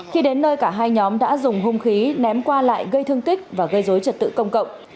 khi đến nơi cả hai nhóm đã dùng hung khí ném qua lại gây thương tích và gây dối trật tự công cộng